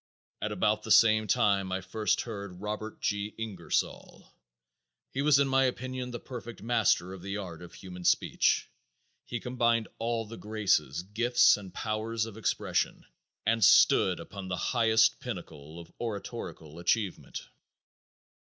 At about the same time I first heard Robert G. Ingersoll. He was in my opinion the perfect master of the art of human speech. He combined all the graces, gifts and powers of expression, and stood upon the highest pinnacle of oratorical achievement.